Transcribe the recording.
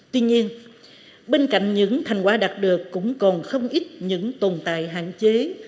tuy nhiên bên cạnh những thành quả đạt được cũng còn không ít những tồn tại hạn chế